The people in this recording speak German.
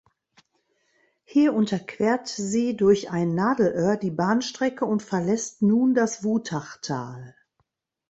Hier unterquert sie durch ein „Nadelöhr“ die Bahnstrecke und verlässt nun das Wutachtal.